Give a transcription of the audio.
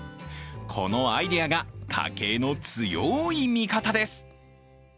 このアイデアが家計の強い味方です。